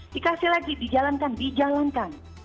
dikasih lagi dijalankan dijalankan